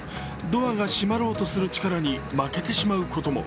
ドアが閉まろうとする力に負けてしまうことも。